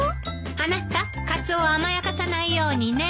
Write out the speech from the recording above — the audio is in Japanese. あなたカツオを甘やかさないようにね。